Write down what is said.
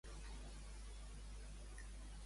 Quin alt càrrec aconseguiria Quer?